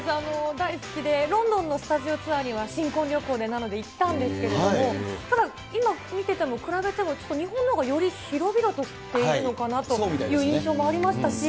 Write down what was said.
大好きで、ロンドンのスタジオツアーには新婚旅行で行ったんですけれども、ただ、今見てても、比べても日本のほうがより広々としているのかなという印象もありそうみたいですね。